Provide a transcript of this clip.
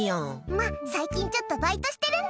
ま、最近ちょっとバイトしてるので。